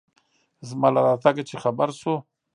زما له راتگه چې خبر سو.